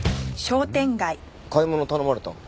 買い物頼まれたの？